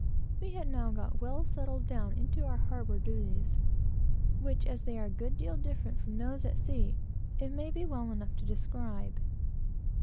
We had now got well settled down into our harbor duties, which, as they are a good deal different from those at sea, it may be well enough to describe.